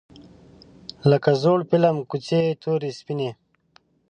لکه زوړ فیلم کوڅې یې تورې سپینې